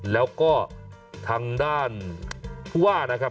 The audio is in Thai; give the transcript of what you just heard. แล้วก็ทางด้านผู้ว่านะครับ